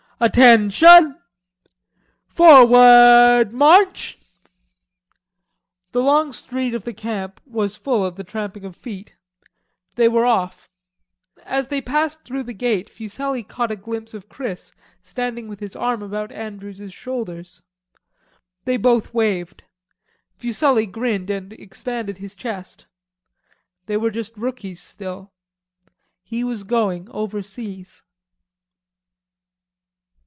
"Atten shun! "Forwa ard, march!" The long street of the camp was full of the tramping of feet. They were off. As they passed through the gate Fuselli caught a glimpse of Chris standing with his arm about Andrews's shoulders. They both waved. Fuselli grinned and expanded his chest. They were just rookies still. He was going overseas.